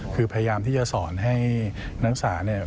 คือพยายามที่จะสอนให้นักศึกษาเนี่ย